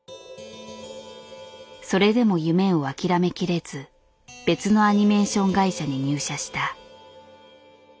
それでも夢を諦めきれず別のアニメーション会社に入社した。